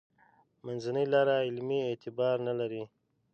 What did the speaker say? منځنۍ لاره علمي اعتبار نه لري.